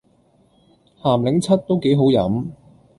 咸檸七都幾好飲